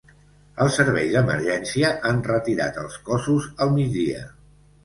Els serveis d’emergència han retirat els cossos al migdia.